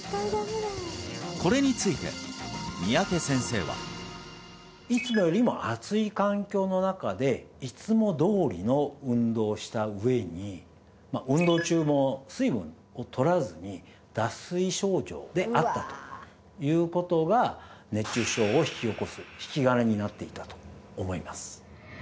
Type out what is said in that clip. これについて三宅先生はいつもよりも暑い環境の中でいつもどおりの運動をした上に運動中も水分をとらずに脱水症状であったということが熱中症を引き起こす引き金になっていたと思います